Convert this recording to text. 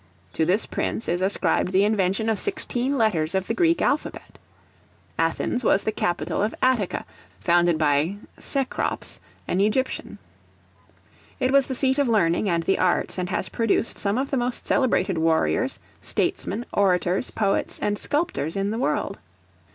To this prince is ascribed the invention of sixteen letters of the Greek Alphabet. Athens was the capital of Attica, founded by Cecrops, an Egyptian. It was the seat of learning and the arts, and has produced some of the most celebrated warriors, statesmen, orators, poets, and sculptors in the world.